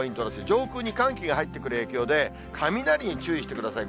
上空に寒気が入ってくる影響で、雷に注意してください。